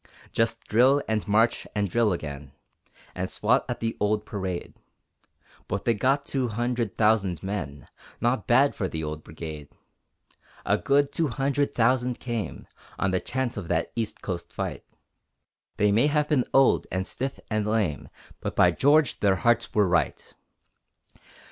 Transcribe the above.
Just drill and march and drill again, And swot at the old parade, But they got two hundred thousand men. Not bad for the old brigade! A good two hundred thousand came, On the chance of that east coast fight; They may have been old and stiff and lame, But, by George, their hearts were right!